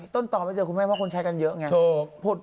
ตอนไปเจอคุณแม่เพราะคนใช้กันเยอะไง